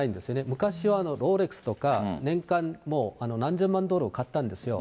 昔はロレックスとか、年間、もう何千万ドルを買ったんですよ。